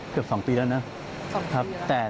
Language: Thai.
เกือบ๒ปีแล้วเนอะ